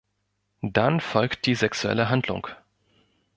Dann folgt die sexuelle Handlung.